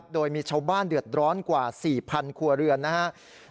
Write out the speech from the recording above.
โดยมีชาวบ้านเดือดร้อนกว่า๔๐๐ครัวเรือนนะครับ